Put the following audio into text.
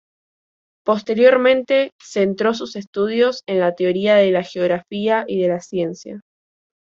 Posteriormente centró sus estudios en la teoría de la geografía y de la ciencia.